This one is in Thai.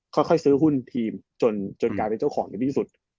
ค่อยซื้อหุ้นทีมจนกลายเป็นเจ้าของในที่สุด